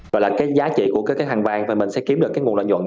gọi là cái giá trị của cái hàng vàng và mình sẽ kiếm được cái nguồn lợi nhuận